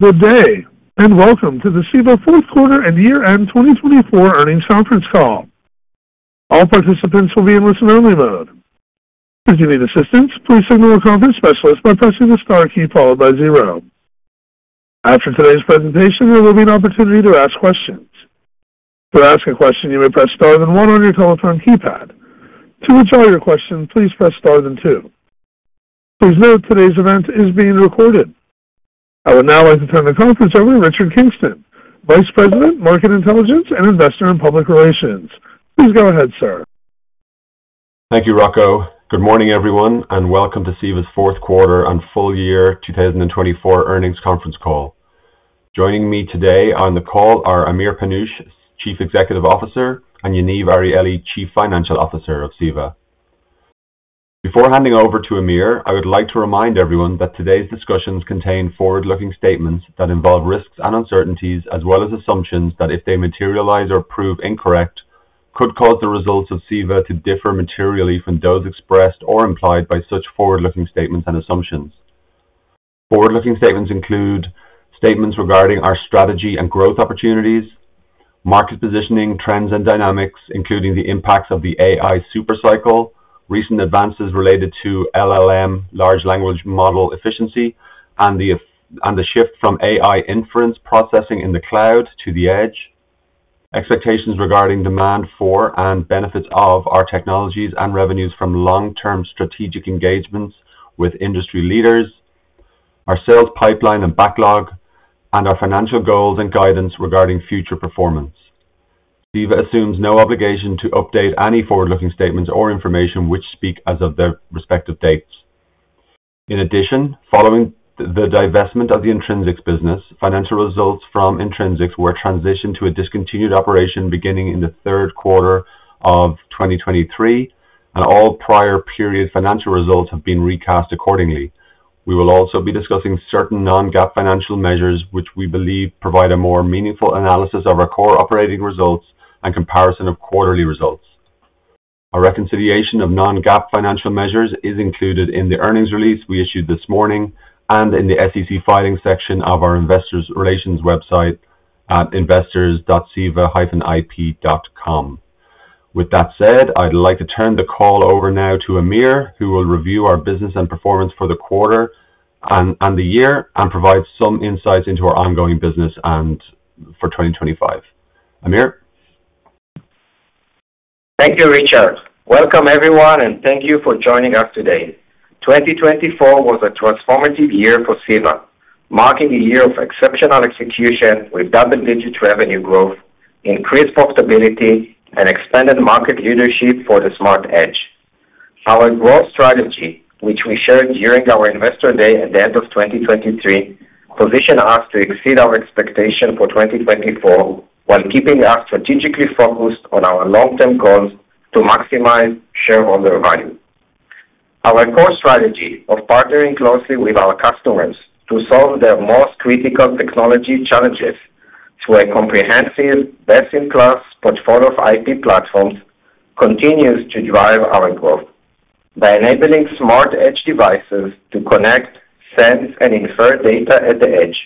Good day, and welcome to the CEVA Fourth Quarter and Year End 2024 Earnings Conference Call. All participants will be in listen-only mode. If you need assistance, please signal a conference specialist by pressing the star key followed by zero. After today's presentation, there will be an opportunity to ask questions. To ask a question, you may press star then one on your telephone keypad. To withdraw your question, please press star then two. Please note today's event is being recorded. I would now like to turn the conference over to Richard Kingston, Vice President, Market Intelligence, and Investor and Public Relations. Please go ahead, sir. Thank you, Rocco. Good morning, everyone, and welcome to CEVA's Fourth Quarter and Full Year 2024 Earnings Conference Call. Joining me today on the call are Amir Panush, Chief Executive Officer, and Yaniv Arieli, Chief Financial Officer of CEVA. Before handing over to Amir, I would like to remind everyone that today's discussions contain forward-looking statements that involve risks and uncertainties, as well as assumptions that, if they materialize or prove incorrect, could cause the results of CEVA to differ materially from those expressed or implied by such forward-looking statements and assumptions. Forward-looking statements include statements regarding our strategy and growth opportunities, market positioning, trends, and dynamics, including the impacts of the AI Supercycle, recent advances related to LLM, Large Language Model efficiency, and the shift from AI inference processing in the cloud to the edge, expectations regarding demand for and benefits of our technologies and revenues from long-term strategic engagements with industry leaders, our sales pipeline and backlog, and our financial goals and guidance regarding future performance. CEVA assumes no obligation to update any forward-looking statements or information which speak as of their respective dates. In addition, following the divestment of the Intrinsix business, financial results from Intrinsix were transitioned to a discontinued operation beginning in the third quarter of 2023, and all prior period financial results have been recast accordingly. We will also be discussing certain Non-GAAP financial measures which we believe provide a more meaningful analysis of our core operating results and comparison of quarterly results. A reconciliation of Non-GAAP financial measures is included in the earnings release we issued this morning and in the SEC filing section of our investors' relations website at investors.ceva-ip.com. With that said, I'd like to turn the call over now to Amir, who will review our business and performance for the quarter and the year and provide some insights into our ongoing business for 2025. Amir? Thank you, Richard. Welcome, everyone, and thank you for joining us today. 2024 was a transformative year for CEVA, marking a year of exceptional execution with double-digit revenue growth, increased profitability, and expanded market leadership for the smart edge. Our growth strategy, which we shared during our investor day at the end of 2023, positioned us to exceed our expectation for 2024 while keeping us strategically focused on our long-term goals to maximize shareholder value. Our core strategy of partnering closely with our customers to solve their most critical technology challenges through a comprehensive, best-in-class portfolio of IP platforms continues to drive our growth. By enabling smart edge devices to connect, send, and infer data at the edge,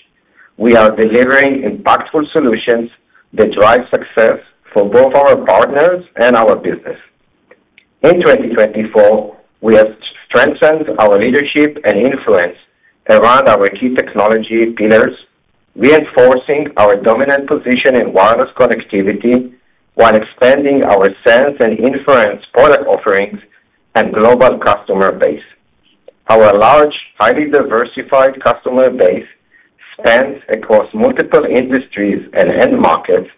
we are delivering impactful solutions that drive success for both our partners and our business. In 2024, we have strengthened our leadership and influence around our key technology pillars, reinforcing our dominant position in wireless connectivity while expanding our sense and inference product offerings and global customer base. Our large, highly diversified customer base spans across multiple industries and end markets,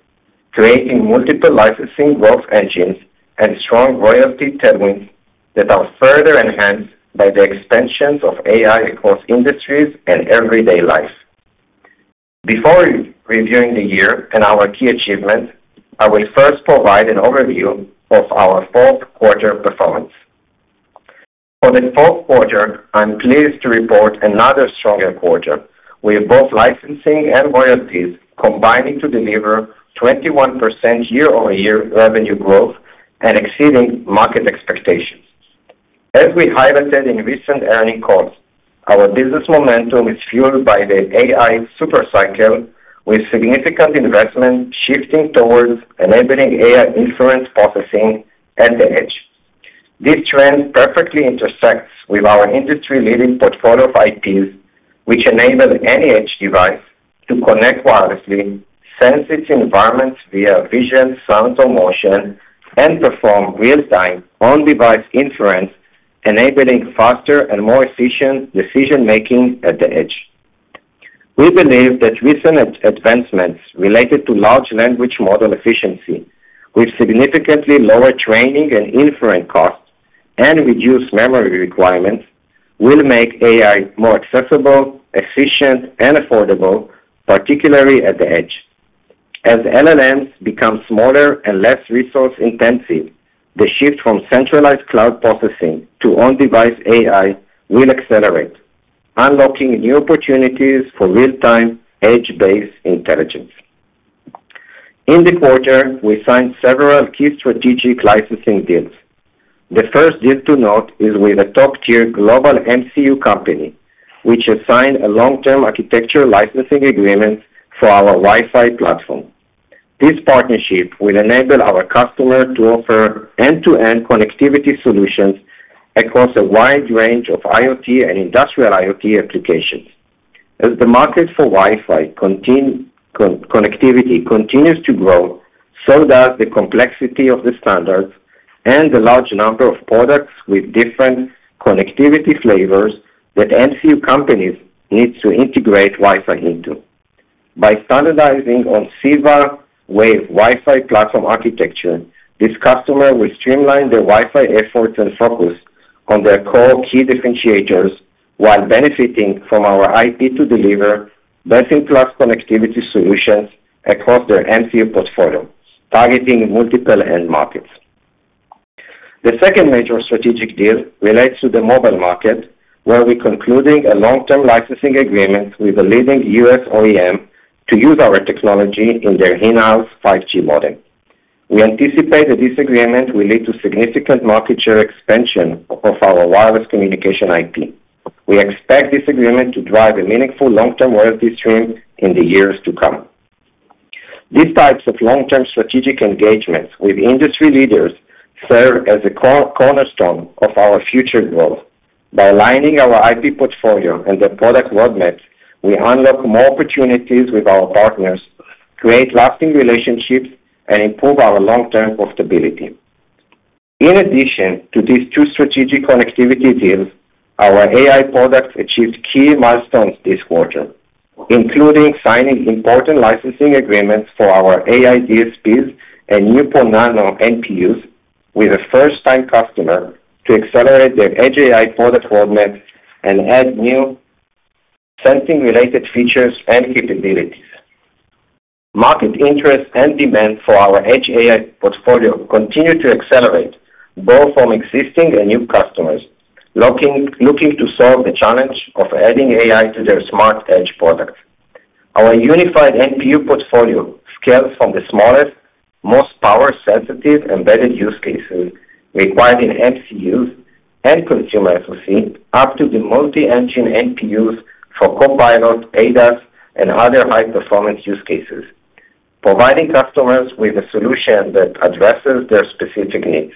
creating multiple licensing growth engines and strong royalty tenets that are further enhanced by the expansions of AI across industries and everyday life. Before reviewing the year and our key achievements, I will first provide an overview of our fourth quarter performance. For the fourth quarter, I'm pleased to report another stronger quarter, with both licensing and royalties combining to deliver 21% year-over-year revenue growth and exceeding market expectations. As we highlighted in recent earnings calls, our business momentum is fueled by the AI supercycle, with significant investment shifting towards enabling AI inference processing at the edge. This trend perfectly intersects with our industry-leading portfolio of IPs, which enable any edge device to connect wirelessly, sense its environments via vision, sound, or motion, and perform real-time on-device inference, enabling faster and more efficient decision-making at the edge. We believe that recent advancements related to large language model efficiency, with significantly lower training and inference costs and reduced memory requirements, will make AI more accessible, efficient, and affordable, particularly at the edge. As LLMs become smaller and less resource-intensive, the shift from centralized cloud processing to on-device AI will accelerate, unlocking new opportunities for real-time edge-based intelligence. In the quarter, we signed several key strategic licensing deals. The first deal to note is with a top-tier global MCU company, which has signed a long-term architecture licensing agreement for our Wi-Fi platform. This partnership will enable our customer to offer end-to-end connectivity solutions across a wide range of IoT and industrial IoT applications. As the market for Wi-Fi connectivity continues to grow, so does the complexity of the standards and the large number of products with different connectivity flavors that MCU companies need to integrate Wi-Fi into. By standardizing on CEVA-Waves Wi-Fi platform architecture, this customer will streamline their Wi-Fi efforts and focus on their core key differentiators while benefiting from our IP to deliver best-in-class connectivity solutions across their MCU portfolio, targeting multiple end markets. The second major strategic deal relates to the mobile market, where we are concluding a long-term licensing agreement with a leading U.S. OEM to use our technology in their in-house 5G modem. We anticipate that this agreement will lead to significant market share expansion of our wireless communication IP. We expect this agreement to drive a meaningful long-term loyalty stream in the years to come. These types of long-term strategic engagements with industry leaders serve as a cornerstone of our future growth. By aligning our IP portfolio and the product roadmaps, we unlock more opportunities with our partners, create lasting relationships, and improve our long-term profitability. In addition to these two strategic connectivity deals, our AI products achieved key milestones this quarter, including signing important licensing agreements for our AI DSPs and NeuPro-Nano NPUs with a first-time customer to accelerate their edge AI product roadmap and add new sensing-related features and capabilities. Market interest and demand for our edge AI portfolio continue to accelerate, both from existing and new customers looking to solve the challenge of adding AI to their smart edge products. Our unified NPU portfolio scales from the smallest, most power-sensitive embedded use cases required in MCUs and consumer SoCs up to the multi-engine NPUs for Copilot, ADAS, and other high-performance use cases, providing customers with a solution that addresses their specific needs.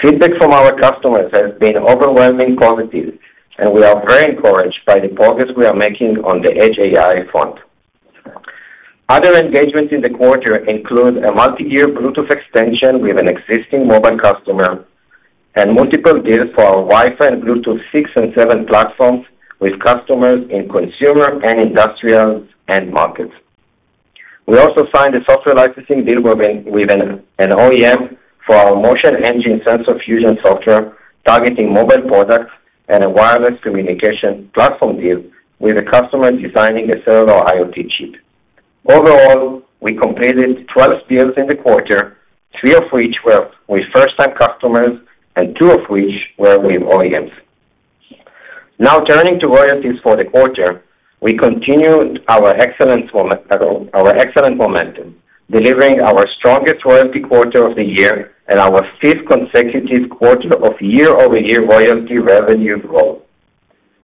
Feedback from our customers has been overwhelmingly positive, and we are very encouraged by the progress we are making on the edge AI front. Other engagements in the quarter include a multi-year Bluetooth extension with an existing mobile customer and multiple deals for our Wi-Fi and Bluetooth 6 and 7 platforms with customers in consumer and industrial end markets. We also signed a software licensing deal with an OEM for our MotionEngine sensor fusion software targeting mobile products and a wireless communication platform deal with a customer designing a cellular IoT chip. Overall, we completed 12 deals in the quarter, three of which were with first-time customers and two of which were with OEMs. Now, turning to royalties for the quarter, we continued our excellent momentum, delivering our strongest royalty quarter of the year and our fifth consecutive quarter of year-over-year royalty revenue growth.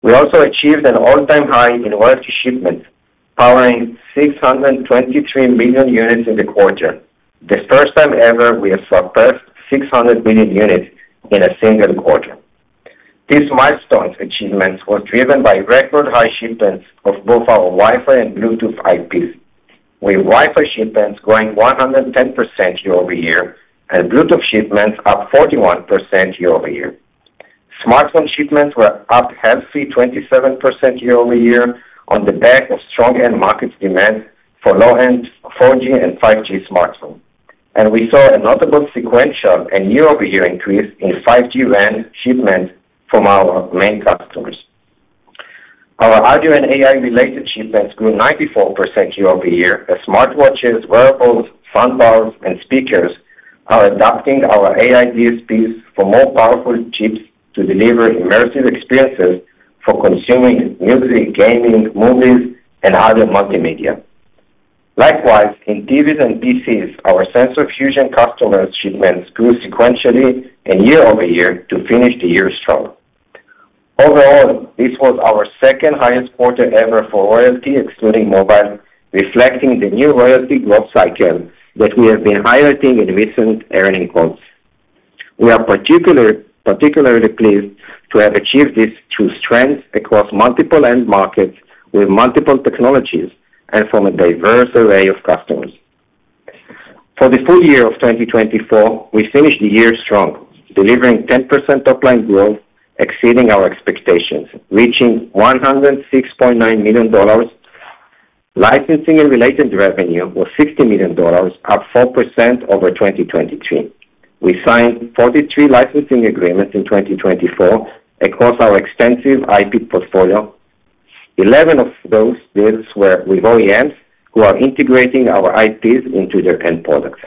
We also achieved an all-time high in royalty shipments, powering 623 million units in the quarter, the first time ever we have surpassed 600 million units in a single quarter. These milestone achievements were driven by record-high shipments of both our Wi-Fi and Bluetooth IPs, with Wi-Fi shipments growing 110% year-over-year and Bluetooth shipments up 41% year-over-year. Smartphone shipments were up healthy 27% year-over-year on the back of strong end market demand for low-end 4G and 5G smartphones, and we saw a notable sequential and year-over-year increase in 5G RAN shipments from our main customers. Our audio and AI-related shipments grew 94% year-over-year, as smartwatches, wearables, soundbars, and speakers are adopting our AI DSPs for more powerful chips to deliver immersive experiences for consuming music, gaming, movies, and other multimedia. Likewise, in TVs and PCs, our sensor fusion customers' shipments grew sequentially and year-over-year to finish the year strong. Overall, this was our second-highest quarter ever for royalty, excluding mobile, reflecting the new royalty growth cycle that we have been highlighting in recent earnings calls. We are particularly pleased to have achieved this through strength across multiple end markets with multiple technologies and from a diverse array of customers. For the full year of 2024, we finished the year strong, delivering 10% in-line growth, exceeding our expectations, reaching $106.9 million. Licensing and related revenue was $60 million, up 4% over 2023. We signed 43 licensing agreements in 2024 across our extensive IP portfolio. 11 of those deals were with OEMs who are integrating our IPs into their end products.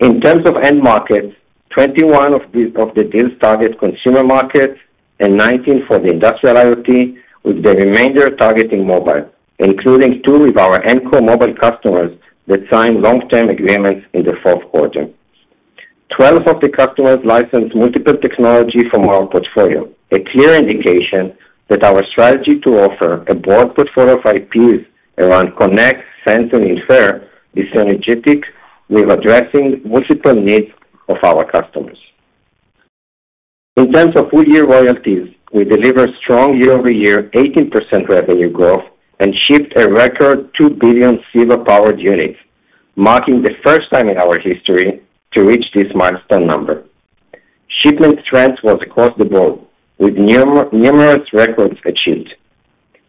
In terms of end markets, 21 of the deals target consumer markets and 19 for the industrial IoT, with the remainder targeting mobile, including two with our Android mobile customers that signed long-term agreements in the fourth quarter. 12 of the customers licensed multiple technologies from our portfolio, a clear indication that our strategy to offer a broad portfolio of IPs around connect, sense, and infer is effective in addressing multiple needs of our customers. In terms of full-year royalties, we delivered strong year-over-year 18% revenue growth and shipped a record 2 billion CEVA-powered units, marking the first time in our history to reach this milestone number. Shipment strength was across the board, with numerous records achieved.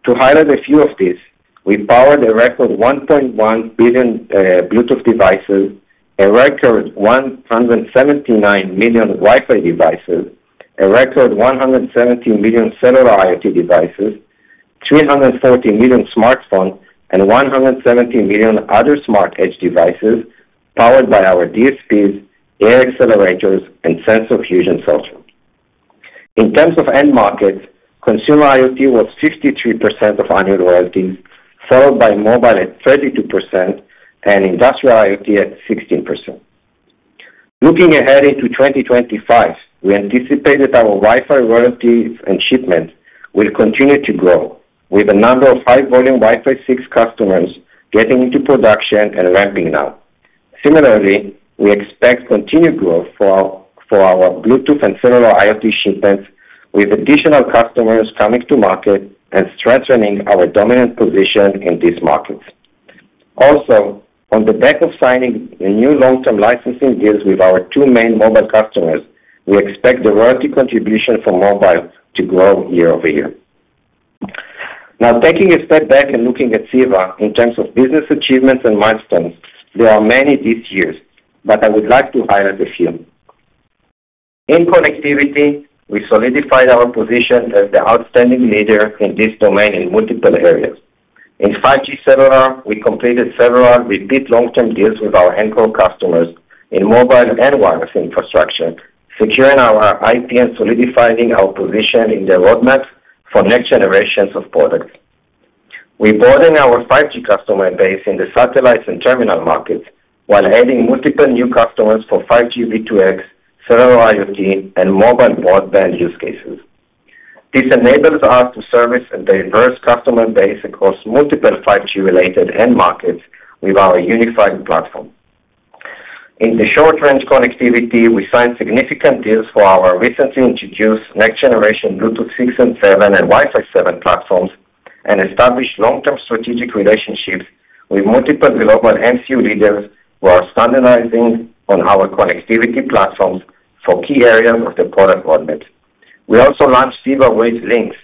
To highlight a few of these, we powered a record 1.1 billion Bluetooth devices, a record 179 million Wi-Fi devices, a record 170 million cellular IoT devices, 340 million smartphones, and 170 million other smart edge devices powered by our DSPs, AI accelerators, and sensor fusion software. In terms of end markets, consumer IoT was 53% of annual royalties, followed by mobile at 32% and industrial IoT at 16%. Looking ahead into 2025, we anticipated our Wi-Fi royalties and shipments will continue to grow, with a number of high-volume Wi-Fi 6 customers getting into production and ramping now. Similarly, we expect continued growth for our Bluetooth and cellular IoT shipments, with additional customers coming to market and strengthening our dominant position in these markets. Also, on the back of signing the new long-term licensing deals with our two main mobile customers, we expect the royalty contribution for mobile to grow year-over-year. Now, taking a step back and looking at CEVA in terms of business achievements and milestones, there are many this year, but I would like to highlight a few. In connectivity, we solidified our position as the outstanding leader in this domain in multiple areas. In 5G cellular, we completed several repeat long-term deals with our OEM customers in mobile and wireless infrastructure, securing our IP and solidifying our position in the roadmap for next generations of products. We broadened our 5G customer base in the satellites and terminal markets while adding multiple new customers for 5G V2X, cellular IoT, and mobile broadband use cases. This enables us to service a diverse customer base across multiple 5G-related end markets with our unified platform. In the short-range connectivity, we signed significant deals for our recently introduced next-generation Bluetooth 6 and 7 and Wi-Fi 7 platforms and established long-term strategic relationships with multiple global MCU leaders who are standardizing on our connectivity platforms for key areas of the product roadmap. We also launched CEVA-Waves Links,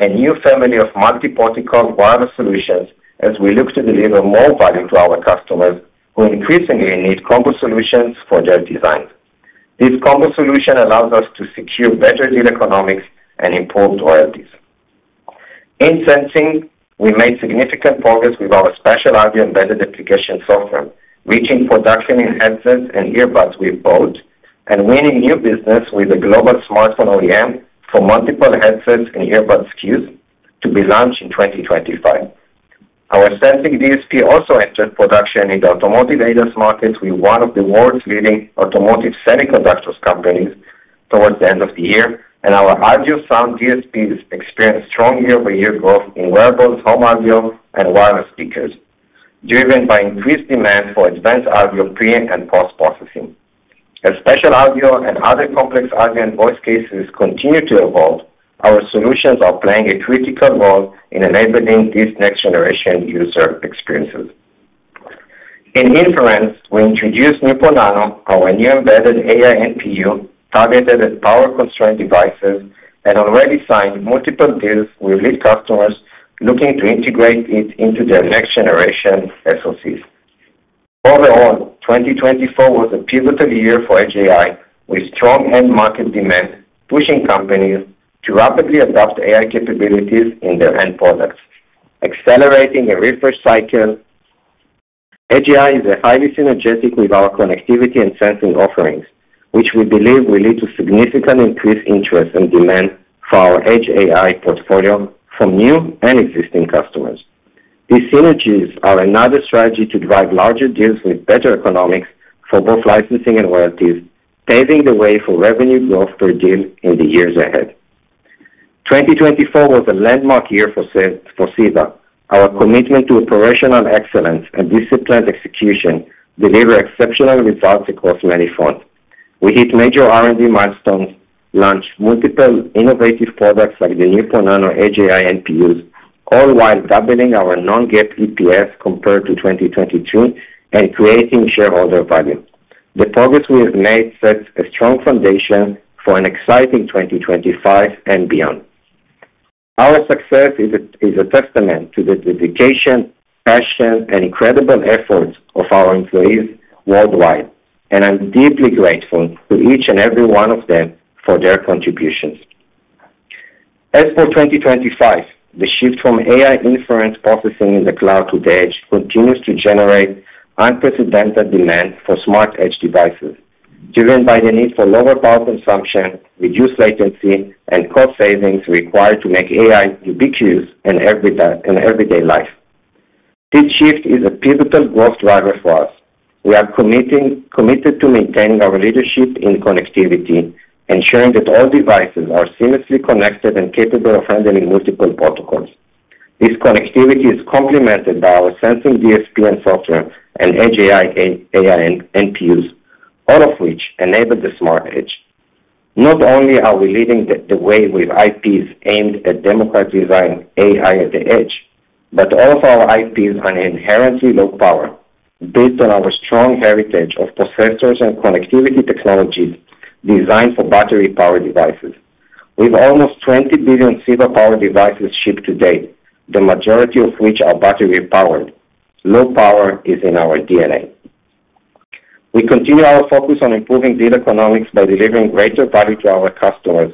a new family of multi-protocol wireless solutions, as we look to deliver more value to our customers who increasingly need combo solutions for their designs. This combo solution allows us to secure better deal economics and improved royalties. In sensing, we made significant progress with our spatial audio-embedded application software, reaching production in headsets and earbuds with Bose, and winning new business with a global smartphone OEM for multiple headsets and earbuds SKUs to be launched in 2025. Our sensing DSP also entered production in the automotive ADAS market with one of the world's leading automotive semiconductors companies towards the end of the year, and our audio sound DSPs experienced strong year-over-year growth in wearables, home audio, and wireless speakers, driven by increased demand for advanced audio pre- and post-processing. As spatial audio and other complex audio and voice cases continue to evolve, our solutions are playing a critical role in enabling these next-generation user experiences. In inference, we introduced NeuPro-Nano, our new embedded AI NPU targeted at power-constrained devices, and already signed multiple deals with lead customers looking to integrate it into their next-generation SoCs. Overall, 2024 was a pivotal year for Edge AI with strong end market demand, pushing companies to rapidly adopt AI capabilities in their end products, accelerating a refresh cycle. Edge AI is highly synergetic with our connectivity and sensing offerings, which we believe will lead to a significant increase in interest and demand for our edge AI portfolio from new and existing customers. These synergies are another strategy to drive larger deals with better economics for both licensing and royalties, paving the way for revenue growth per deal in the years ahead. 2024 was a landmark year for CEVA. Our commitment to operational excellence and disciplined execution delivered exceptional results across many fronts. We hit major R&D milestones, launched multiple innovative products like the new NeuPro-Nano edge AI NPUs, all while doubling our non-GAAP EPS compared to 2022 and creating shareholder value. The progress we have made sets a strong foundation for an exciting 2025 and beyond. Our success is a testament to the dedication, passion, and incredible efforts of our employees worldwide, and I'm deeply grateful to each and every one of them for their contributions. As for 2025, the shift from AI inference processing in the cloud to the edge continues to generate unprecedented demand for smart edge devices, driven by the need for lower power consumption, reduced latency, and cost savings required to make AI ubiquitous in everyday life. This shift is a pivotal growth driver for us. We are committed to maintaining our leadership in connectivity, ensuring that all devices are seamlessly connected and capable of handling multiple protocols. This connectivity is complemented by our sensing DSP and software and edge AI NPUs, all of which enable the smart edge. Not only are we leading the way with IPs aimed at democratizing AI at the edge, but all of our IPs are inherently low power, built on our strong heritage of processors and connectivity technologies designed for battery-powered devices. With almost 20 billion CEVA-powered devices shipped today, the majority of which are battery-powered, low power is in our DNA. We continue our focus on improving deal economics by delivering greater value to our customers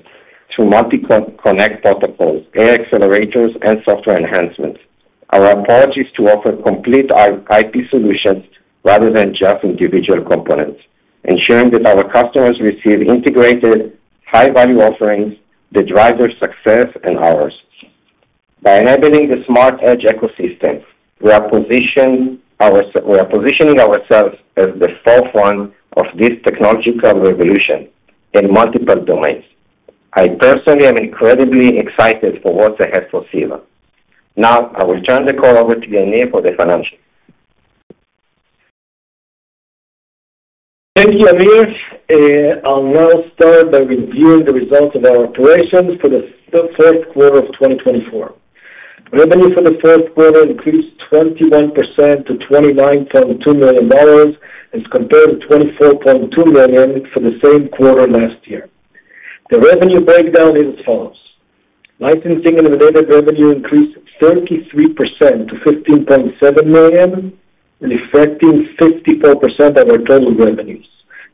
through multi-connect protocols, AI accelerators, and software enhancements. Our approach is to offer complete IP solutions rather than just individual components, ensuring that our customers receive integrated, high-value offerings that drive their success and ours. By enabling the smart edge ecosystem, we are positioning ourselves as the forefront of this technological revolution in multiple domains. I personally am incredibly excited for what's ahead for CEVA. Now, I will turn the call over to Yaniv for the financials. Thank you, Amir. I'll now start by reviewing the results of our operations for the fourth quarter of 2024. Revenue for the fourth quarter increased 21% to $29.2 million as compared to $24.2 million for the same quarter last year. The revenue breakdown is as follows. Licensing and related revenue increased 33% to $15.7 million, reflecting 54% of our total revenues,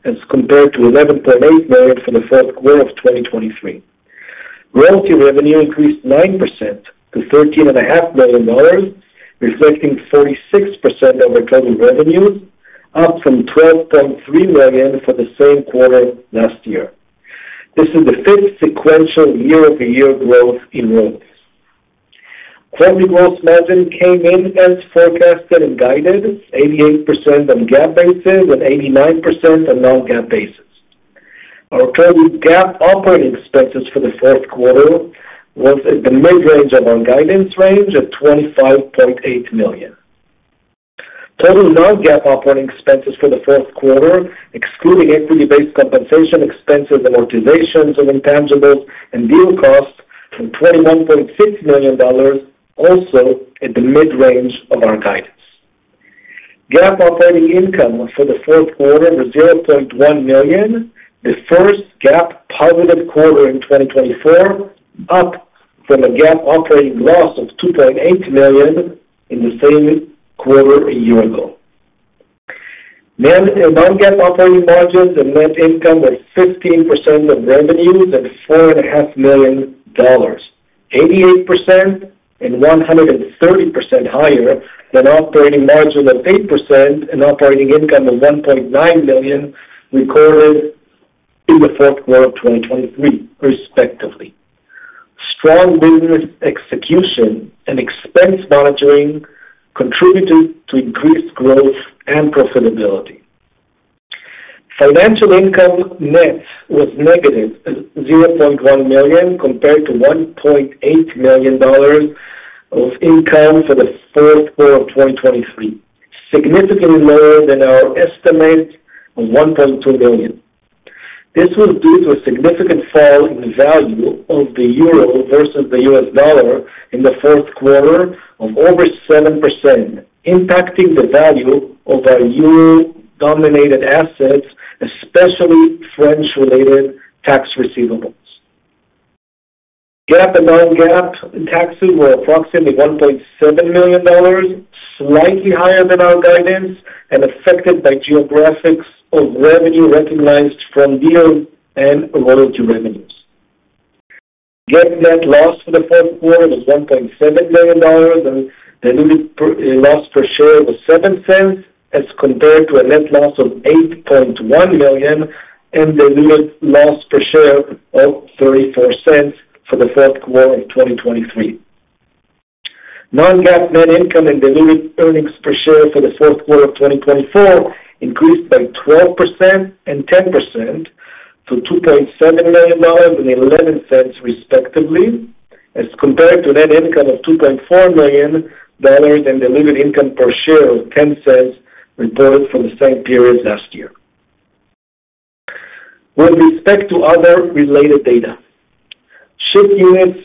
as compared to $11.8 million for the fourth quarter of 2023. Royalty revenue increased 9% to $13.5 million, reflecting 46% of our total revenues, up from $12.3 million for the same quarter last year. This is the fifth sequential year-over-year growth in royalty. Gross margin came in as forecasted and guided, 88% on GAAP basis and 89% on non-GAAP basis. Our total GAAP operating expenses for the fourth quarter was at the mid-range of our guidance range at $25.8 million. Total non-GAAP operating expenses for the fourth quarter, excluding equity-based compensation expenses, amortizations of intangibles, and deal costs, were $21.6 million, also at the mid-range of our guidance. GAAP operating income for the fourth quarter was $0.1 million, the first GAAP positive quarter in 2024, up from a GAAP operating loss of $2.8 million in the same quarter a year ago. Non-GAAP operating margins and net income were 15% of revenues at $4.5 million, 88% and 130% higher than operating margin of 8% and operating income of $1.9 million recorded in the fourth quarter of 2023, respectively. Strong business execution and expense monitoring contributed to increased growth and profitability. Financial income net was negative at $0.1 million compared to $1.8 million of income for the fourth quarter of 2023, significantly lower than our estimate of $1.2 million. This was due to a significant fall in the value of the euro versus the US dollar in the fourth quarter of over 7%, impacting the value of our euro-denominated assets, especially French-related tax receivables. GAAP and non-GAAP taxes were approximately $1.7 million, slightly higher than our guidance, and affected by geographies of revenue recognized from deal and royalty revenues. GAAP net loss for the fourth quarter was $1.7 million, and diluted loss per share was $0.07, as compared to a net loss of $8.1 million and diluted loss per share of $0.34 for the fourth quarter of 2023. Non-GAAP net income and diluted earnings per share for the fourth quarter of 2024 increased by 12% and 10% to $2.7 million and $0.11, respectively, as compared to net income of $2.4 million and diluted income per share of $0.10 reported for the same period last year. With respect to other related data, shipped units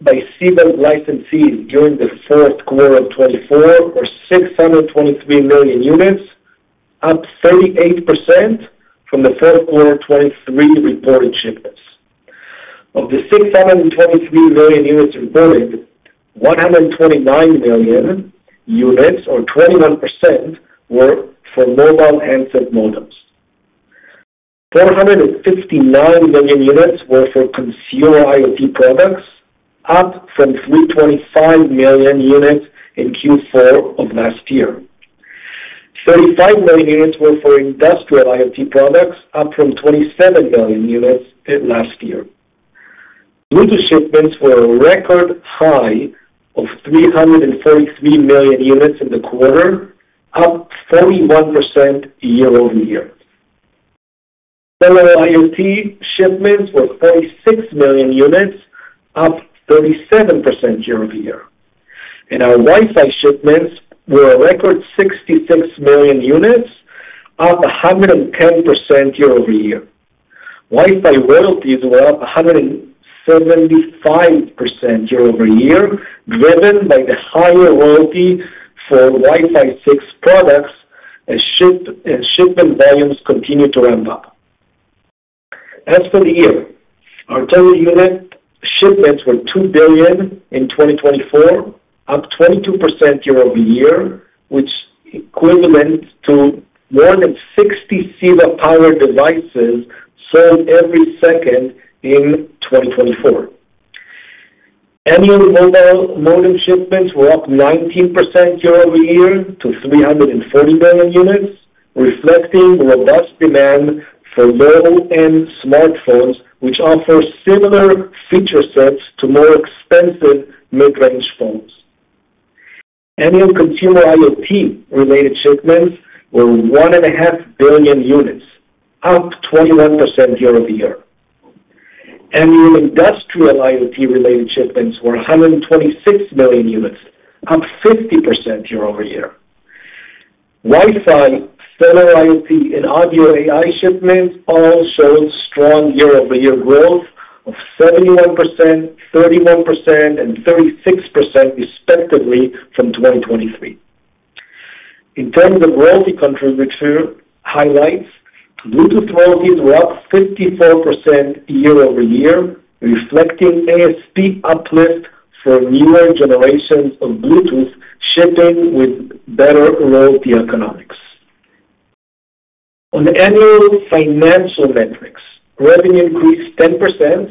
by CEVA licensees during the fourth quarter of 2024 were 623 million units, up 38% from the fourth quarter 2023 reported shipments. Of the 623 million units reported, 129 million units, or 21%, were for mobile handset modems. 459 million units were for consumer IoT products, up from 325 million units in Q4 of last year. 35 million units were for industrial IoT products, up from 27 million units last year. Bluetooth shipments were a record high of 343 million units in the quarter, up 41% year-over-year. Cellular IoT shipments were 46 million units, up 37% year-over-year. Our Wi-Fi shipments were a record 66 million units, up 110% year-over-year. Wi-Fi royalties were up 175% year-over-year, driven by the higher royalty for Wi-Fi 6 products as shipment volumes continued to ramp up. As for the year, our total unit shipments were $2 billion in 2024, up 22% year-over-year, which equivalent to more than 60 CEVA-powered devices sold every second in 2024. Annual mobile modem shipments were up 19% year-over-year to 340 million units, reflecting robust demand for low-end smartphones, which offer similar feature sets to more expensive mid-range phones. Annual consumer IoT-related shipments were 1.5 billion units, up 21% year-over-year. Annual industrial IoT-related shipments were 126 million units, up 50% year-over-year. Wi-Fi, cellular IoT, and audio AI shipments all showed strong year-over-year growth of 71%, 31%, and 36%, respectively, from 2023. In terms of royalty contributor highlights, Bluetooth royalties were up 54% year-over-year, reflecting ASP uplift for newer generations of Bluetooth shipping with better royalty economics. On annual financial metrics, revenue increased 10%,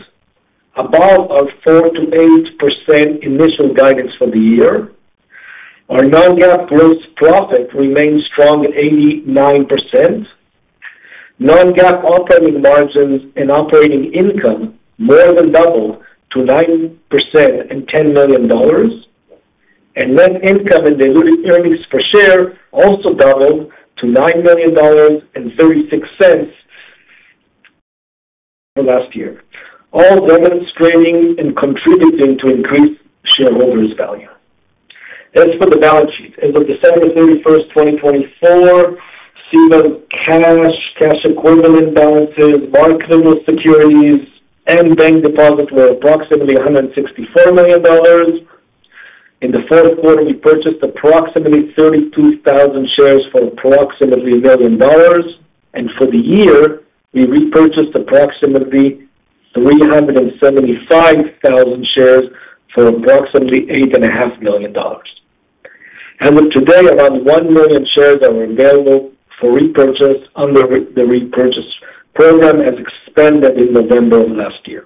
above our 4%-8% initial guidance for the year. Our non-GAAP gross profit remained strong at 89%. Non-GAAP operating margins and operating income more than doubled to 9% and $10 million. Net income and diluted earnings per share also doubled to $9 million and $0.36 for last year, all demonstrating and contributing to increased shareholders' value. As for the balance sheet, as of December 31st, 2024, CEVA cash, cash equivalent balances, marketable securities, and bank deposits were approximately $164 million. In the fourth quarter, we purchased approximately 32,000 shares for approximately $1 million. For the year, we repurchased approximately 375,000 shares for approximately $8.5 million. As of today, around one million shares are available for repurchase under the repurchase program, as announced in November of last year.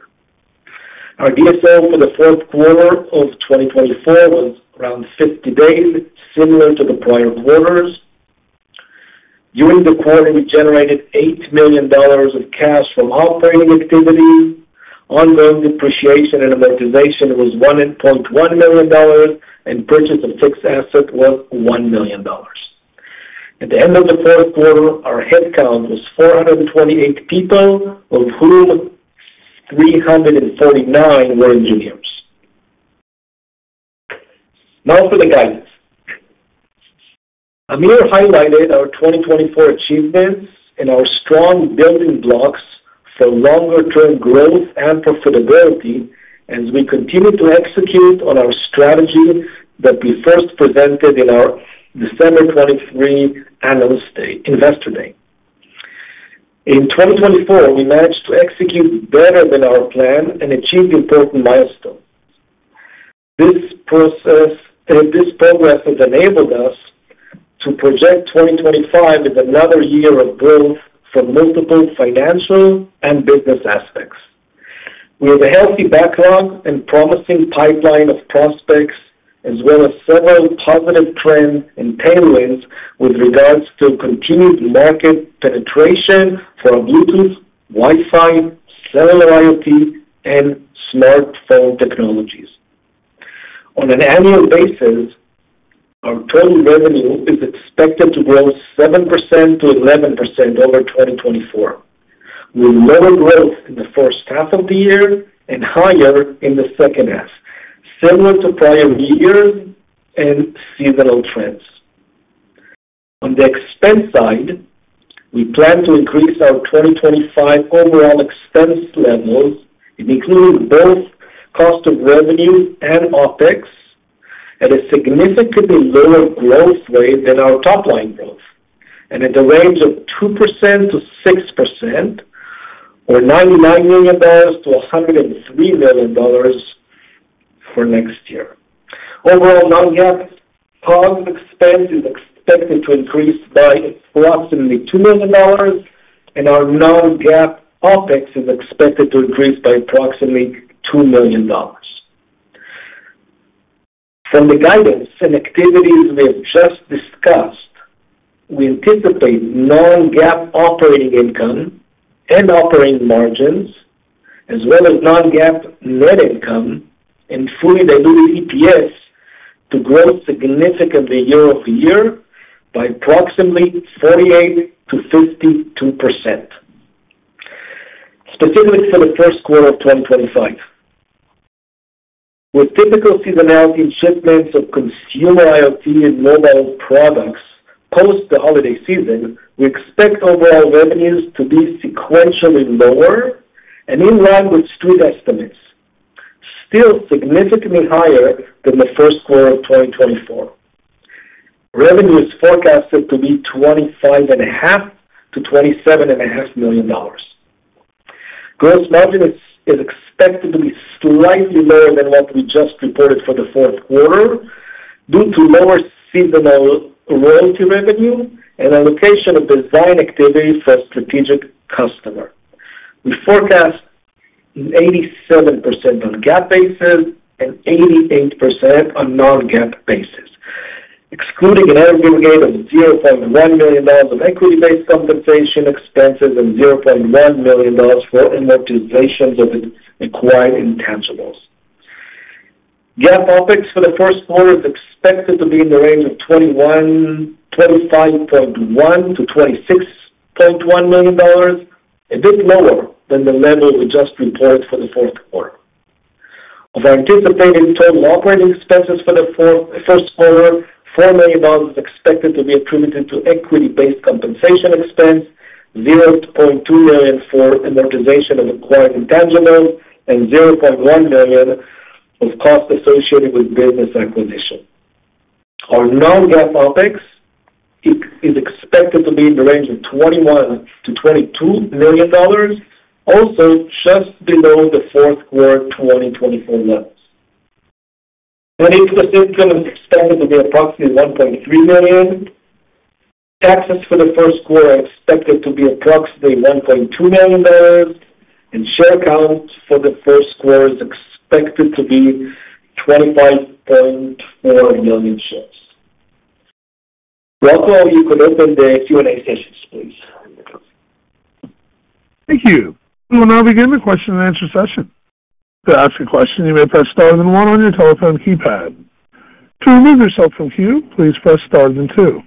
Our DSO for the fourth quarter of 2024 was around 50 days, similar to the prior quarters. During the quarter, we generated $8 million of cash from operating activity. Ongoing depreciation and amortization was $1.1 million, and purchase of fixed asset was $1 million. At the end of the fourth quarter, our headcount was 428 people, of whom 349 were engineers. Now for the guidance. Amir highlighted our 2024 achievements and our strong building blocks for longer-term growth and profitability as we continue to execute on our strategy that we first presented in our December 2023 Investor Day. In 2024, we managed to execute better than our plan and achieve important milestones. This progress has enabled us to project 2025 as another year of growth from multiple financial and business aspects. We have a healthy backlog and promising pipeline of prospects, as well as several positive trends and tailwinds with regards to continued market penetration for Bluetooth, Wi-Fi, Cellular IoT, and smartphone technologies. On an annual basis, our total revenue is expected to grow 7%-11% over 2024, with lower growth in the first half of the year and higher in the second half, similar to prior year and seasonal trends. On the expense side, we plan to increase our 2025 overall expense levels, including both cost of revenue and OpEx, at a significantly lower growth rate than our top-line growth, and at the range of 2%-6%, or $99 million-$103 million for next year. Overall, non-GAAP operating expense is expected to increase by approximately $2 million, and our non-GAAP OpEx is expected to increase by approximately $2 million. From the guidance and activities we have just discussed, we anticipate non-GAAP operating income and operating margins, as well as non-GAAP net income and fully diluted EPS to grow significantly year-over-year by approximately 48%-52%, specifically for the first quarter of 2025. With typical seasonality in shipments of consumer IoT and mobile products post the holiday season, we expect overall revenues to be sequentially lower and in line with street estimates, still significantly higher than the first quarter of 2024. Revenue is forecasted to be $25.5-$27.5 million. Gross margin is expected to be slightly lower than what we just reported for the fourth quarter due to lower seasonal royalty revenue and allocation of design activity for a strategic customer. We forecast an 87% on GAAP bases and 88% on non-GAAP bases, excluding an aggregate of $0.1 million of equity-based compensation expenses and $0.1 million for amortizations of acquired intangibles. GAAP OpEx for the first quarter is expected to be in the range of $25.1-$26.1 million, a bit lower than the level we just reported for the fourth quarter. Of our anticipated total operating expenses for the first quarter, $4 million is expected to be attributed to equity-based compensation expense, $0.2 million for amortization of acquired intangibles, and $0.1 million of cost associated with business acquisition. Our non-GAAP OpEx is expected to be in the range of $21-$22 million, also just below the fourth quarter 2024 levels. Net income is expected to be approximately $1.3 million. Taxes for the first quarter are expected to be approximately $1.2 million, and share count for the first quarter is expected to be 25.4 million shares. Rocco, you could open the Q&A sessions, please. Thank you. We will now begin the question-and-answer session. To ask a question, you may press star then 1 on your telephone keypad. To remove yourself from queue, please press star then 2.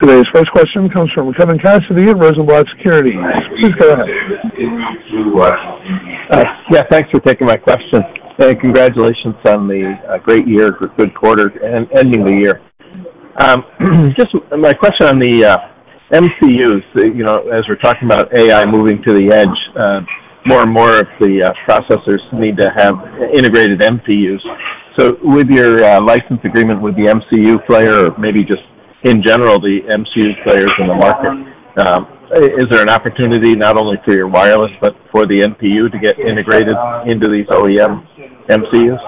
Today's first question comes from Kevin Cassidy at Rosenblatt Securities. Please go ahead. Yeah, thanks for taking my question. And congratulations on the great year for third quarter and ending the year. Just my question on the MCUs, as we're talking about AI moving to the edge, more and more of the processors need to have integrated MCUs. So with your license agreement with the MCU player, or maybe just in general the MCU players in the market, is there an opportunity not only for your wireless but for the MPU to get integrated into these OEM MCUs?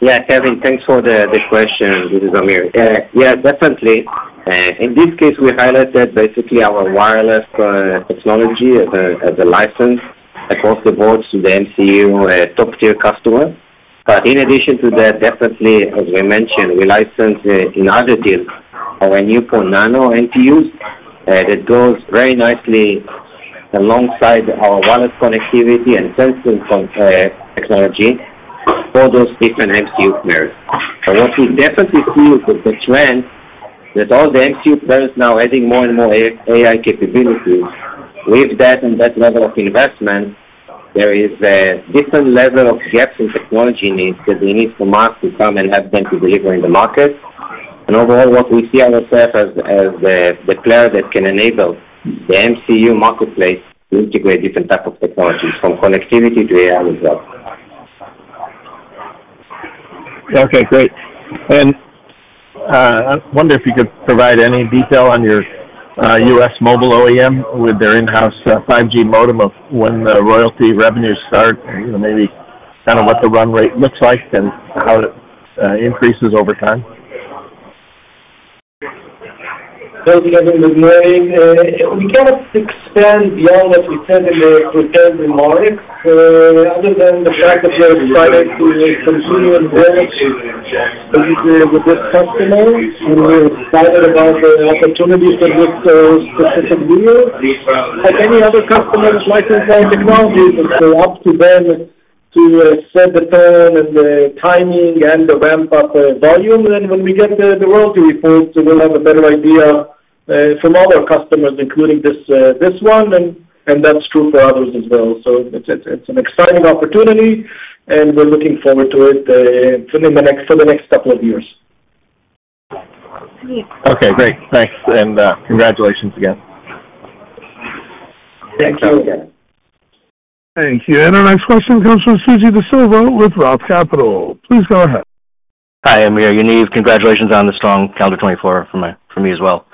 Yeah, Kevin, thanks for the question. This is Amir. Yeah, definitely. In this case, we highlighted basically our wireless technology as a license across the board to the MCU top-tier customer. But in addition to that, definitely, as we mentioned, we license in other deals our NeuPro-Nano MPUs that goes very nicely alongside our wireless connectivity and sensing technology for those different MCU players. But what we definitely see is the trend that all the MCU players now adding more and more AI capabilities. With that and that level of investment, there is a different level of gaps in technology needs that we need the market to come and have them deliver in the market. And overall, what we see ourselves as the player that can enable the MCU marketplace to integrate different types of technologies, from connectivity to AI as well. Okay, great. And I wonder if you could provide any detail on your U.S. mobile OEM with their in-house 5G modem on when the royalty revenues start, maybe kind of what the run rate looks like and how it increases over time. Hello, Kevin. Good morning. We cannot expand beyond what we said in the prepared remarks, other than the fact that we're excited to continue with this customer, and we're excited about the opportunity for this specific deal. Like any other customer with licensed technology, it's up to them to set the tone and the timing and the ramp-up volume. And then when we get the royalty report, we'll have a better idea from other customers, including this one, and that's true for others as well. So it's an exciting opportunity, and we're looking forward to it for the next couple of years. Okay, great. Thanks. And congratulations again. Thank you. Thank you. And our next question comes from Suji Desilva with Roth Capital. Please go ahead. Hi, Amir. Yaniv, congratulations on the strong calendar 2024 for me as well.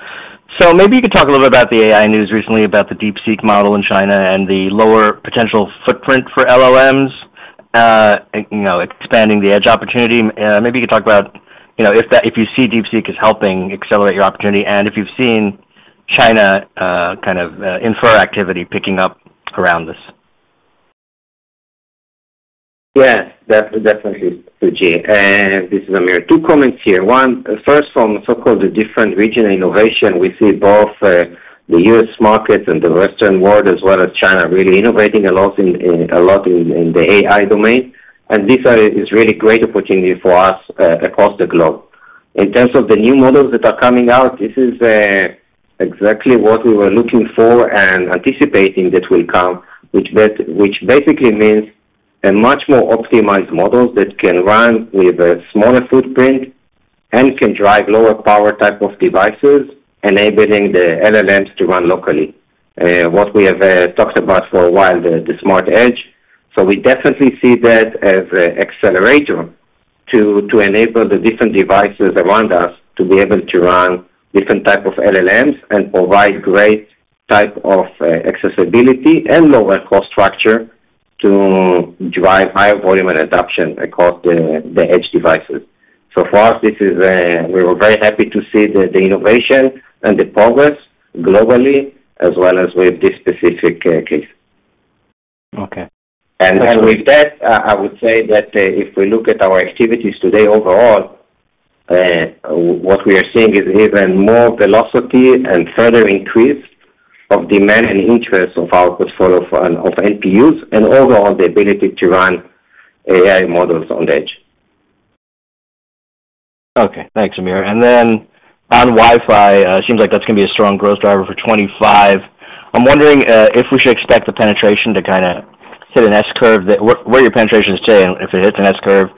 So maybe you could talk a little bit about the AI news recently about the DeepSeek model in China and the lower potential footprint for LLMs, expanding the edge opportunity. Maybe you could talk about if you see DeepSeek is helping accelerate your opportunity and if you've seen China kind of inference activity picking up around this. Yeah, definitely, Suji. This is Amir. Two comments here. One, first, from the so-called different regional innovation, we see both the U.S. market and the Western world, as well as China, really innovating a lot in the AI domain. And this is a really great opportunity for us across the globe. In terms of the new models that are coming out, this is exactly what we were looking for and anticipating that will come, which basically means a much more optimized model that can run with a smaller footprint and can drive lower power type of devices, enabling the LLMs to run locally. What we have talked about for a while, the smart edge. So we definitely see that as an accelerator to enable the different devices around us to be able to run different types of LLMs and provide great type of accessibility and lower cost structure to drive higher volume and adoption across the edge devices. So for us, we were very happy to see the innovation and the progress globally, as well as with this specific case. And with that, I would say that if we look at our activities today overall, what we are seeing is even more velocity and further increase of demand and interest of our portfolio of NPUs and overall the ability to run AI models on the edge. Okay, thanks, Amir. And then on Wi-Fi, it seems like that's going to be a strong growth driver for 2025. I'm wondering if we should expect the penetration to kind of hit an S curve. Where are your penetrations today? And if it hits an S curve,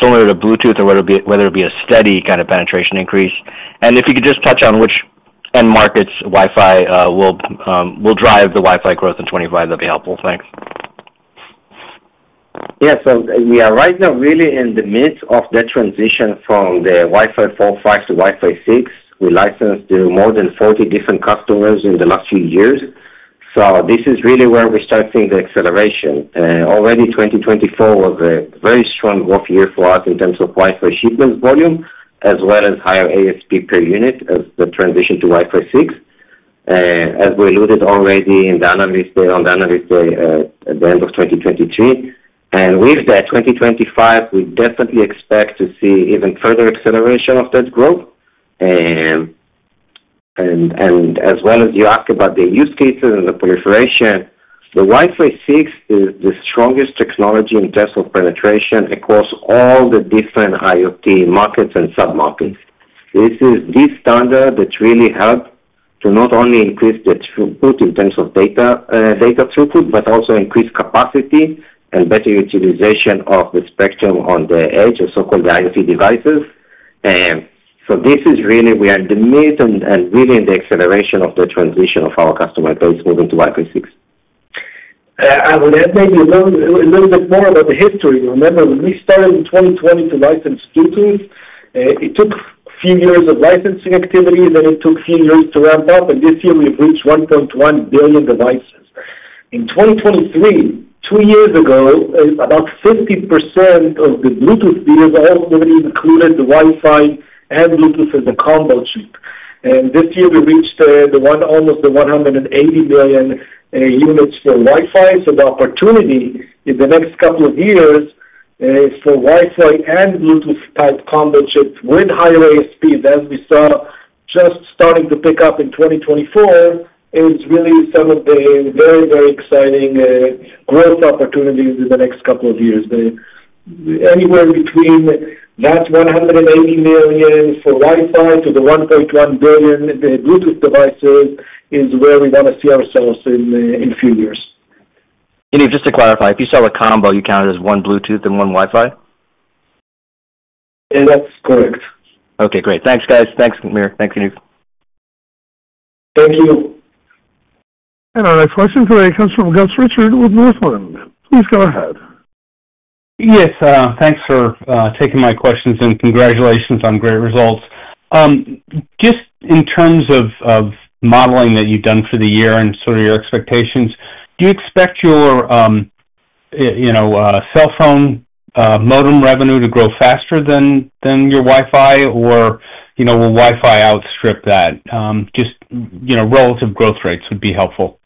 similar to Bluetooth, or whether it be a steady kind of penetration increase? And if you could just touch on which end markets Wi-Fi will drive the Wi-Fi growth in 2025, that'd be helpful. Thanks. Yeah, so we are right now really in the midst of the transition from the Wi-Fi 4.5 to Wi-Fi 6. We licensed to more than 40 different customers in the last few years. So this is really where we start seeing the acceleration. Already, 2024 was a very strong growth year for us in terms of Wi-Fi shipments volume, as well as higher ASP per unit as the transition to Wi-Fi 6, as we alluded already in the analyst day at the end of 2023. And with that, 2025, we definitely expect to see even further acceleration of that growth. And, as well as you ask about the use cases and the proliferation, the Wi-Fi 6 is the strongest technology in terms of penetration across all the different IoT markets and sub-markets. This is the standard that really helps to not only increase the throughput in terms of data throughput, but also increase capacity and better utilization of the spectrum on the edge of so-called IoT devices. So this is really we are in the midst and really in the acceleration of the transition of our customer base moving to Wi-Fi 6. I would add maybe a little bit more about the history. Remember, when we started in 2020 to license Bluetooth, it took a few years of licensing activity, then it took a few years to ramp up, and this year we've reached 1.1 billion devices. In 2023, two years ago, about 50% of the Bluetooth deals already included the Wi-Fi and Bluetooth as a combo chip. And this year we reached almost 180 million units for Wi-Fi. So the opportunity in the next couple of years is for Wi-Fi and Bluetooth type combo chips with higher ASP, as we saw just starting to pick up in 2024, is really some of the very, very exciting growth opportunities in the next couple of years. Anywhere between that 180 million for Wi-Fi to the 1.1 billion Bluetooth devices is where we want to see ourselves in a few years. Yaniv, just to clarify, if you sell a combo, you count it as one Bluetooth and one Wi-Fi? That's correct. Okay, great. Thanks, guys. Thanks, Amir. Thanks, Yaniv. Thank you. And our next question today comes from Gus Richard with Northland. Please go ahead. Yes, thanks for taking my questions and congratulations on great results. Just in terms of modeling that you've done for the year and sort of your expectations, do you expect your cell phone modem revenue to grow faster than your Wi-Fi, or will Wi-Fi outstrip that? Just relative growth rates would be helpful.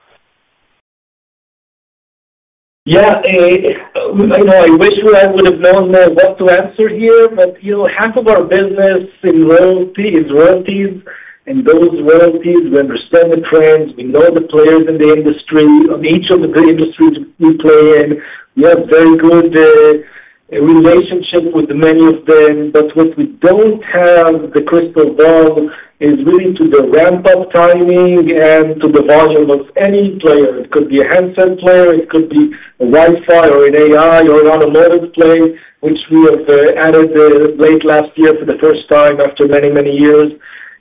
Yeah, I wish I would have known what to answer here, but half of our business is royalties, and those royalties, we understand the trends, we know the players in the industry, each of the industries we play in. We have a very good relationship with many of them, but what we don't have, the crystal ball, is really to the ramp-up timing and to the volume of any player. It could be a handset player, it could be a Wi-Fi or an AI or an automotive play, which we have added late last year for the first time after many, many years.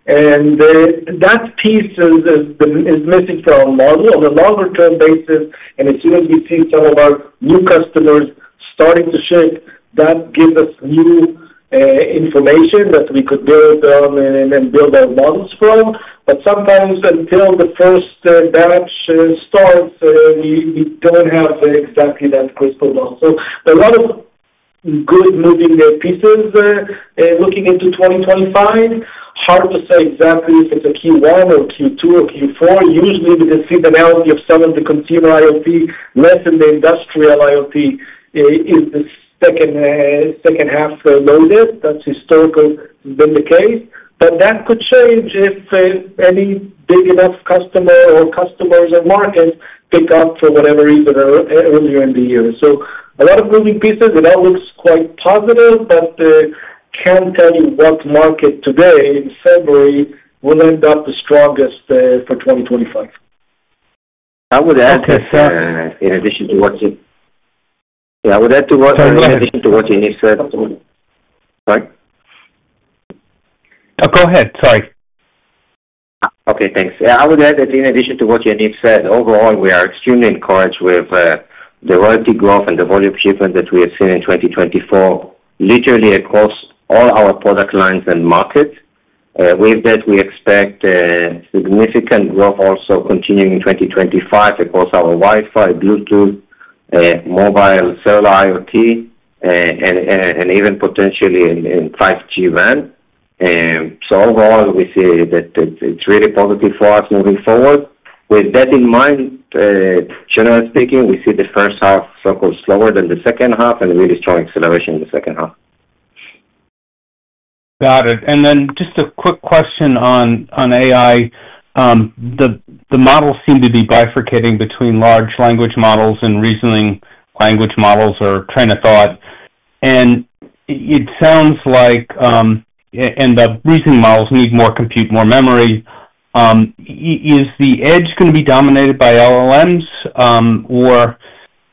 And that piece is missing from our model on a longer-term basis, and as soon as we see some of our new customers starting to ship, that gives us new information that we could build on and build our models from. But sometimes, until the first batch starts, we don't have exactly that crystal ball. So a lot of good moving pieces looking into 2025. Hard to say exactly if it's a Q1 or Q2 or Q4. Usually, we can see the reality of some of the consumer IoT less than the industrial IoT is the second half loaded. That's historically been the case. But that could change if any big enough customer or customers or markets pick up for whatever reason earlier in the year. So a lot of moving pieces. It all looks quite positive, but I can't tell you what market today in February will end up the strongest for 2025. I would add that in addition to what Yaniv said. Sorry? Go ahead. Sorry. Okay, thanks. Overall, we are extremely encouraged with the royalty growth and the volume shipment that we have seen in 2024, literally across all our product lines and markets. With that, we expect significant growth also continuing in 2025 across our Wi-Fi, Bluetooth, mobile, cell IoT, and even potentially in 5G WAN. So overall, we see that it's really positive for us moving forward. With that in mind, generally speaking, we see the first half so-called slower than the second half and really strong acceleration in the second half. Got it. And then just a quick question on AI. The models seem to be bifurcating between large language models and reasoning language models or train of thought. And it sounds like the reasoning models need more compute, more memory. Is the edge going to be dominated by LLMs, or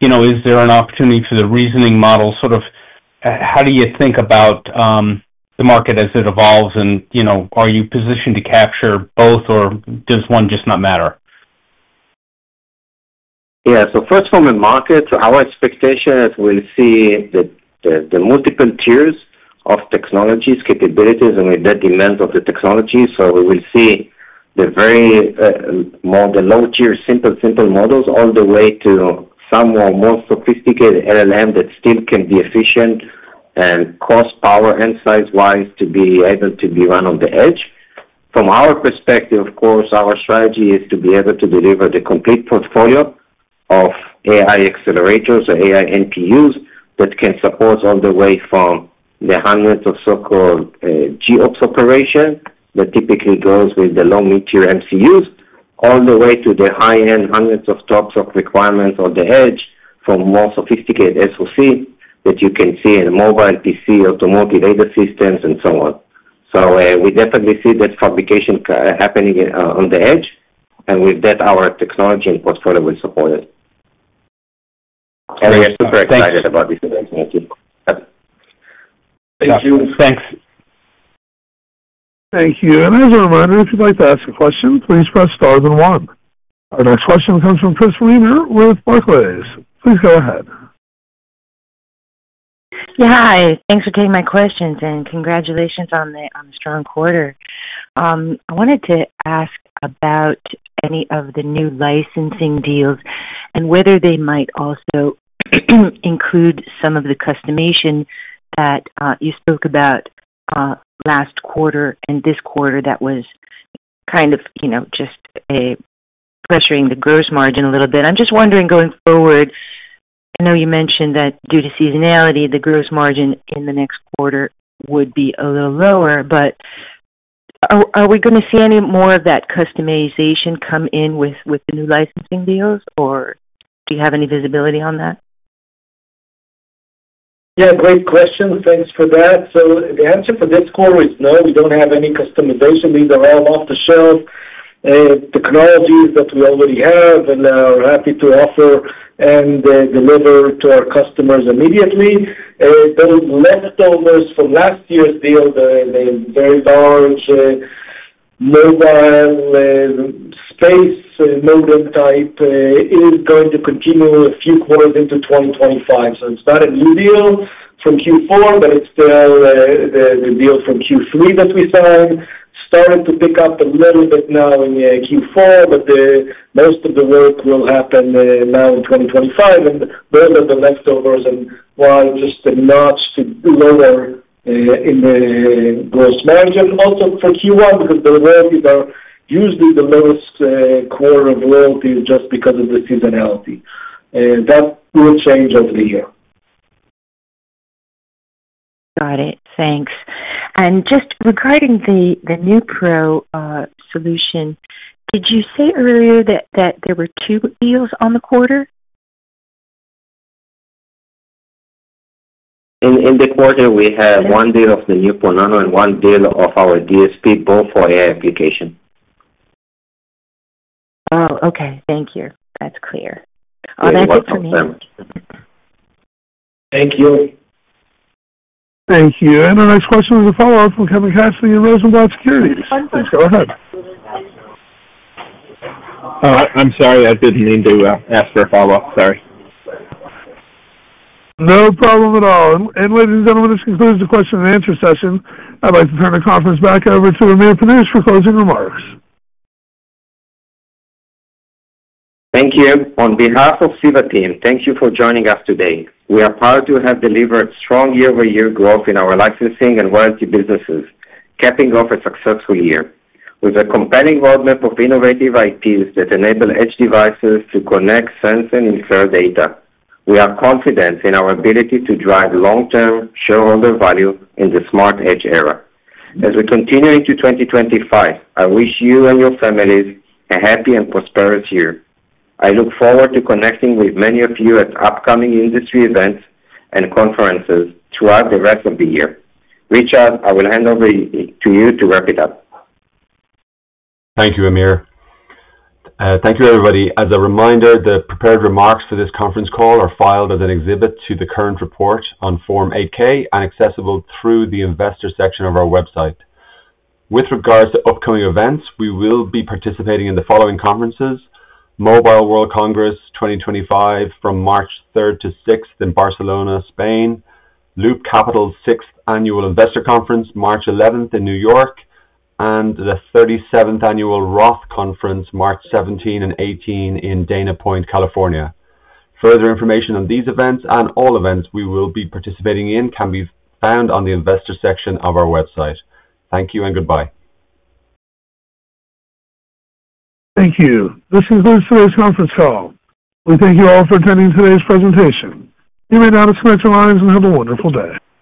is there an opportunity for the reasoning model? Sort of how do you think about the market as it evolves, and are you positioned to capture both, or does one just not matter? Yeah, so first from the market, our expectation is we'll see the multiple tiers of technologies, capabilities, and with that demand of the technologies. We will see even more of the low-tier simple models all the way to somewhat more sophisticated LLM that still can be efficient and cost, power, and size-wise to be able to be run on the edge. From our perspective, of course, our strategy is to be able to deliver the complete portfolio of AI accelerators or AI NPUs that can support all the way from the hundreds of so-called GOPS operations that typically goes with the low-to-mid-tier MCUs, all the way to the high-end hundreds of TOPS of requirements on the edge for more sophisticated SoC that you can see in mobile PCs, automotive ADAS systems, and so on. We definitely see that acceleration happening on the edge, and with that, our technology and portfolio will support it. We are super excited about this event, Yaniv. Thank you. Thanks. Thank you. As a reminder, if you'd like to ask a question, please press star and one. Our next question comes from Chris Reimer with Barclays. Please go ahead. Yeah, hi. Thanks for taking my questions, and congratulations on the strong quarter. I wanted to ask about any of the new licensing deals and whether they might also include some of the customization that you spoke about last quarter and this quarter that was kind of just pressuring the gross margin a little bit. I'm just wondering, going forward, I know you mentioned that due to seasonality, the gross margin in the next quarter would be a little lower, but are we going to see any more of that customization come in with the new licensing deals, or do you have any visibility on that? Yeah, great question. Thanks for that. The answer for this quarter is no. We don't have any customization. These are all off the shelf. The technologies that we already have and are happy to offer and deliver to our customers immediately. Those leftovers from last year's deal, the very large mobile space modem type, is going to continue a few quarters into 2025. So it's not a new deal from Q4, but it's still the deal from Q3 that we signed. Started to pick up a little bit now in Q4, but most of the work will happen now in 2025. And those are the leftovers and why just a notch lower in the gross margin. Also for Q1, because the royalties are usually the lowest quarter of royalties just because of the seasonality. That will change over the year. Got it. Thanks. And just regarding the NeuPro solution, did you say earlier that there were two deals on the quarter? In the quarter, we have one deal of the NeuPro-Nano and one deal of our DSP, both for AI application. Oh, okay. Thank you. That's clear. That's it for me. Thank you. Thank you. And our next question is a follow-up from Kevin Cassidy in Rosenblatt Securities. Please go ahead. I'm sorry. I didn't mean to ask for a follow-up. Sorry. No problem at all. And ladies and gentlemen, this concludes the question and answer session. I'd like to turn the conference back over to Amir Panush for closing remarks. Thank you. On behalf of the CEVA Team, thank you for joining us today. We are proud to have delivered strong year-over-year growth in our licensing and royalty businesses, capping off a successful year with a compelling roadmap of innovative IPs that enable edge devices to connect, sense, and infer data. We are confident in our ability to drive long-term shareholder value in the smart edge era. As we continue into 2025, I wish you and your families a happy and prosperous year. I look forward to connecting with many of you at upcoming industry events and conferences throughout the rest of the year. Richard, I will hand over to you to wrap it up. Thank you, Amir. Thank you, everybody. As a reminder, the prepared remarks for this conference call are filed as an exhibit to the current report on Form 8-K and accessible through the investor section of our website. With regards to upcoming events, we will be participating in the following conferences: Mobile World Congress 2025 from March 3rd to 6th in Barcelona, Spain, Loop Capital Markets' 6th Annual Investor Conference, March 11th in New York, and the 37th Annual Roth Conference, March 17 and 18 in Dana Point, California. Further information on these events and all events we will be participating in can be found on the investor section of our website. Thank you and goodbye. Thank you. This concludes today's conference call. We thank you all for attending today's presentation. You may now disconnect your lines and have a wonderful day.